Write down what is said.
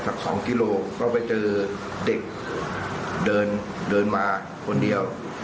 จากที่ไปเจอเด็กเดินมาคนเดียล